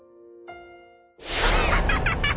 アハハハハハ！